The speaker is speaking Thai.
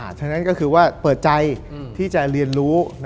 ฉะนั้นก็คือว่าเปิดใจที่จะเรียนรู้